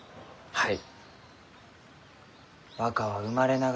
はい。